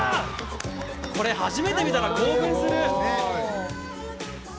これ初めて見たら興奮する。